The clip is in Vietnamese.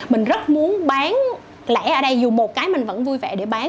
mình rất muốn bán lẻ ở đây dù một cái mình vẫn vui vẻ để bán